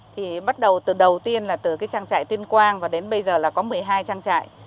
thì bắt đầu từ đầu tiên là từ trang trại tuyên quang và đến bây giờ là có một mươi hai trang trại